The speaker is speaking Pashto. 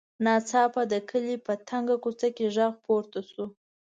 ناڅاپه د کلي په تنګه کوڅه کې غږ پورته شو.